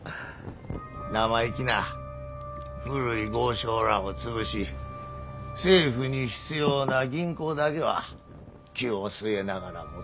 生意気な古い豪商らぁを潰し政府に必要な銀行だけは灸を据えながらもどうにか生かすとは。